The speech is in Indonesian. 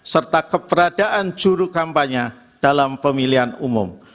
serta keberadaan juru kampanye dalam pemilihan umum